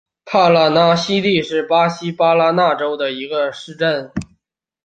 帕拉纳西蒂是巴西巴拉那州的一个市镇。